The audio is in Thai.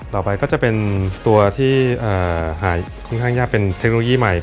ต่อไปก็จะเป็นตัวที่หายค่อนข้างยากเป็นเทคโนโลยีใหม่